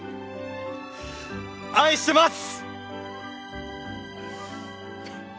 愛してます！